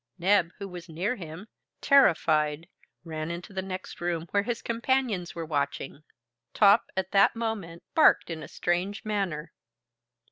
Neb, who was near him, terrified, ran into the next room where his companions were watching. Top, at that moment, barked in a strange manner.